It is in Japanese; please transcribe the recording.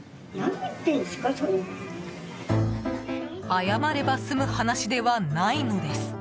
謝れば済む話ではないのです。